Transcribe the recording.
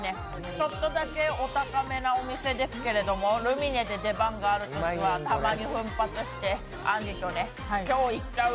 ちょっとだけお高めなお店ですけどルミネで出番があるときはたまに奮発して、あんりとね、今日行っちゃう？